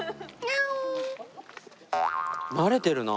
慣れてるな。